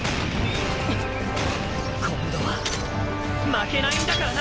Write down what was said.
今度は負けないんだからな！